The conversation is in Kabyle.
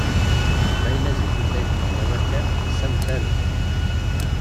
Ma yella zik tutlayt-nneɣ d awal kan, ass-a nettaru-tt.